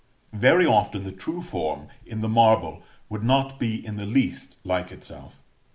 Very often the true form, in the marble, would not be in the least like itself.